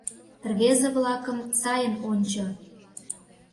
— Рвезе-влакым сайын ончо.